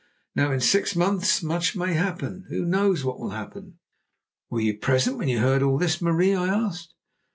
Now, in six months much may happen; who knows what will happen?'" "Were you present when you heard all this, Marie?" I asked.